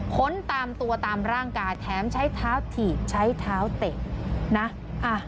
ค้นตามตัวตามร่างกายแถมใช้เท้าถีบใช้เท้าเตะนะ